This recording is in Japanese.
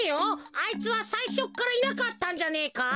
あいつはさいしょからいなかったんじゃねえか？